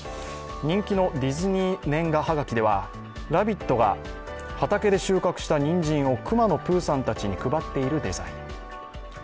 人気のディズニー年賀はがきではラビットが畑で収穫したにんじんをくまのプーさんたちに配っているデザイン。